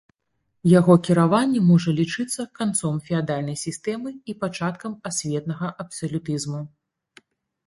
Яго кіраванне можа лічыцца канцом феадальнай сістэмы і пачаткам асветнага абсалютызму.